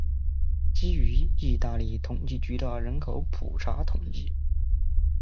基于意大利统计局的人口普查统计。